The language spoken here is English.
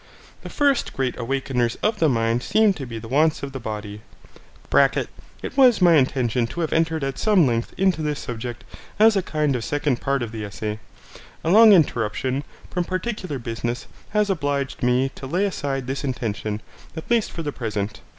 The first great awakeners of the mind seem to be the wants of the body. (It was my intention to have entered at some length into this subject as a kind of second part to the Essay. A long interruption, from particular business, has obliged me to lay aside this intention, at least for the present.